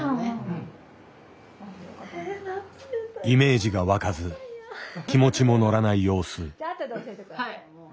イメージが湧かず気持ちも乗らない様子。